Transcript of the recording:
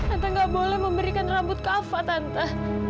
entah nggak boleh memberikan rambut kava tante